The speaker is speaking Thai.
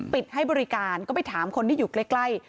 ปิดให้บริการก็ไปถามคนที่อยู่ใกล้